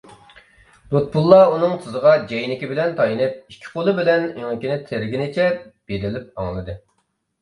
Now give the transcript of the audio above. لۇتپۇللا ئۇنىڭ تىزىغا جەينىكى بىلەن تايىنىپ، ئىككى قولى بىلەن ئېڭىكىنى تىرىگىنىچە بېرىلىپ ئاڭلىدى.